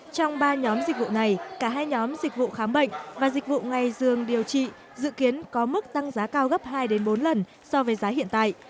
trong ba nhóm dịch vụ này cả hai nhóm dịch vụ khám bệnh và dịch vụ ngày dường điều trị dự kiến có mức tăng giá cao gấp hai bốn lần so với giá hiện tại